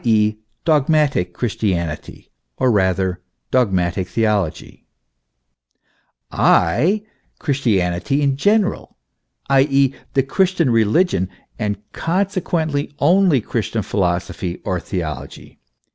e., dogmatic Christianity or rather dogmatic theology; I, Christianity in general, i. e., the Christian religion, and consequently, only Christian philosophy or theology.